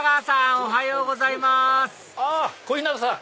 おはようございますあっ小日向さん